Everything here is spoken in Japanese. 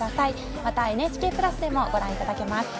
またＮＨＫプラスでもご覧いただけます。